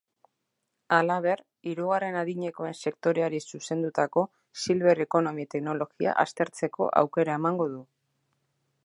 Halaber, hirugarren adinekoen sektoreari zuzendutako silver economy teknologia aztertzeko aukera emango du.